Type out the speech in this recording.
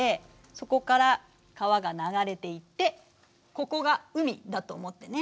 そこから川が流れていってここが海だと思ってね。